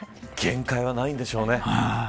限界はないんでしょうね。